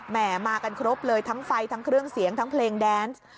มากันครบเลยทั้งไฟทั้งเครื่องเสียงทั้งเพลงแดนซ์